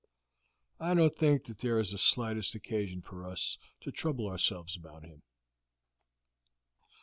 I don't think that there is the slightest occasion for us to trouble ourselves about him."